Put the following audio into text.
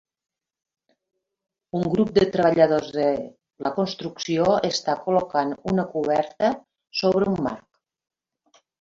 Un grup de treballadors de la construcció està col·locant una coberta sobre un marc.